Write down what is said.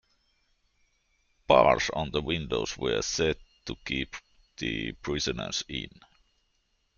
Bars on the windows were set to keep the prisoners in.